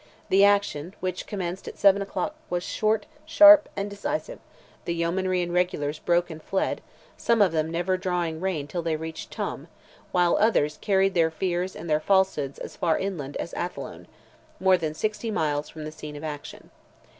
The action, which commenced at 7 o'clock, was short, sharp, and decisive; the yeomanry and regulars broke and fled, some of them never drawing rein till they reached Tuam, while others carried their fears and their falsehoods as far inland as Athlone—more than sixty miles from the scene of action.